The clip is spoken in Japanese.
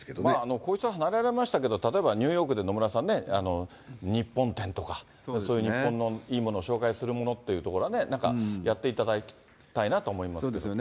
皇室を離れられましたけど、例えばニューヨークで野村さんね、日本展とか、そういう日本のいいものを紹介するっていうのはね、なんかやっていただきたいなと思そうですよね、